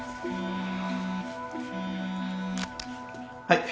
はい。